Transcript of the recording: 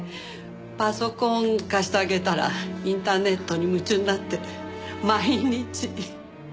パソコン貸してあげたらインターネットに夢中になって毎日。